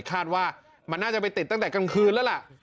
คาดว่ามันน่าจะไปติดตั้งแต่กลางคืนแล้วล่ะ